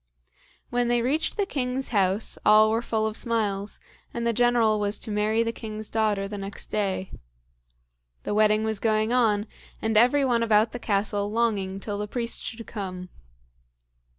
When they reached the king's house, all were full of smiles, and the General was to marry the king's daughter the next day. The wedding was going on, and every one about the castle longing till the priest should come.